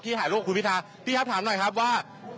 ที่หายลูกคุณพิทราพี่ครับถามหน่อยครับว่า